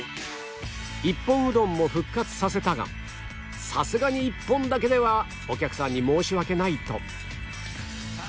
一本うどんも復活させたがさすがに一本だけではお客さんに申し訳ないと